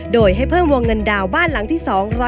โดยให้เพิ่มวงเงินดาวบ้านหลังที่๒๐๐